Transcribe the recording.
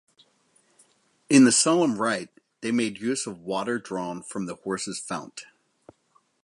In the solemn rite they made use of water drawn from the Horse's Fount.